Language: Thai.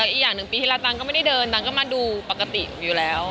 อีกอย่างหนึ่งปีที่แล้วตังค์ก็ไม่ได้เดินตังค์ก็มาดูปกติอยู่แล้ว